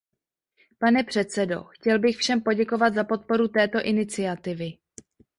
Pane předsedo, chtěl bych všem poděkovat za podporu této iniciativy.